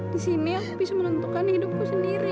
di sini aku bisa menentukan hidupku sendiri